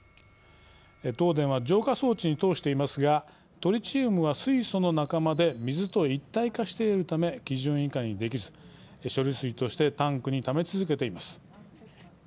東電は浄化装置に通していますがトリチウムは水素の仲間で水と一体化しているため基準以下にできず処理水としてタンクにため続けています。